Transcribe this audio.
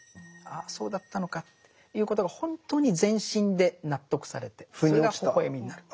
あそうだったのかということが本当に全身で納得されてそれがほほえみになる。